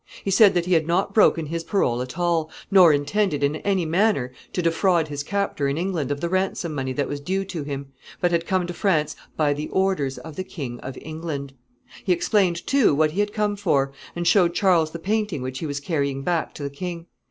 He said that he had not broken his parole at all, nor intended in any manner to defraud his captor in England of the ransom money that was due to him, but had come to France by the orders of the King of England. He explained, too, what he had come for, and showed Charles the painting which he was carrying back to the king.